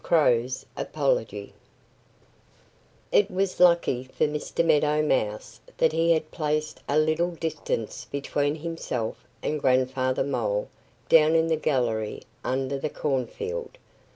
CROW'S APOLOGY IT was lucky for Mr. Meadow Mouse that he had placed a little distance between himself and Grandfather Mole down in the gallery under the cornfield.